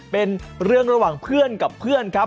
เป็นเรื่องระหว่างเพื่อนกับเพื่อนครับ